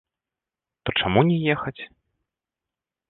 То чаму не ехаць?!